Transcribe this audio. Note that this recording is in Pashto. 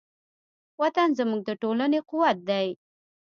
وطن زموږ د ټولنې قوت دی.